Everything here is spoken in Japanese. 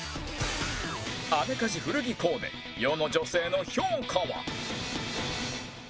アメカジ古着コーデ世の女性の評価は？